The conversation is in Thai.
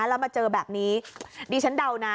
แล้วมาเจอแบบนี้ดิฉันเดานะ